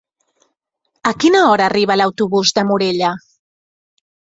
A quina hora arriba l'autobús de Morella?